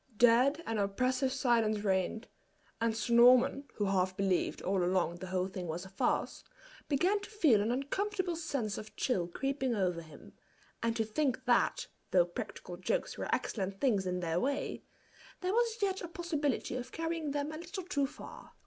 Dead and oppressive silence reigned; and Sir Norman, who half believed all along the whole thing was a farce, began to feel an uncomfortable sense of chill creeping over him, and to think that, though practical jokes were excellent things in their way, there was yet a possibility of carrying them a little too far.